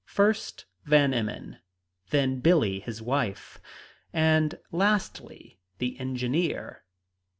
First Van Emmon, then "Billie," his wife, and lastly the engineer.